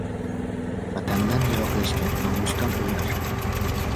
Vatandan yiroqlashgan — nomusdan o'lar.